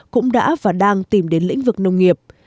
cũng đã và đang tìm đến lĩnh vực nông nghiệp